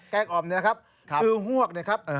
แกงอ่อมเนื้อครับคือหวกนะครับ